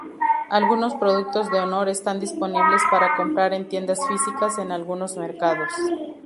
Algunos productos de Honor están disponibles para comprar en tiendas físicas en algunos mercados.